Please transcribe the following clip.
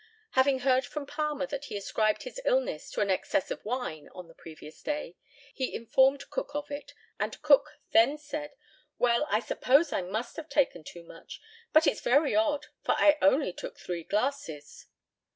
Having heard from Palmer that he ascribed his illness to an excess of wine on the previous day, he informed Cook of it, and Cook then said, "Well, I suppose I must have taken too much, but it's very odd, for I only took three glasses."